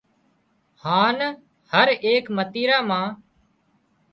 هانَ هر ايڪ متريرا مان